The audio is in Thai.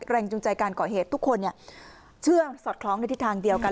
แรงจูงใจการก่อเหตุทุกคนเชื่อสอดคล้องในทิศทางเดียวกัน